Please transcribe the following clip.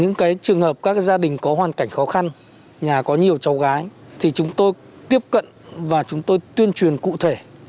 những trường hợp các gia đình có hoàn cảnh khó khăn nhà có nhiều cháu gái thì chúng tôi tiếp cận và chúng tôi tuyên truyền cụ thể